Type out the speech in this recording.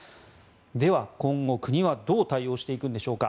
では、今後、国はどう対応していくんでしょうか。